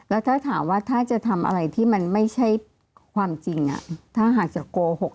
แล้วถ้าถามว่าถ้าจะทำอะไรที่มันไม่ใช่ความจริงถ้าหากจะโกหก